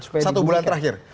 satu bulan terakhir